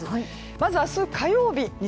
まず明日火曜日西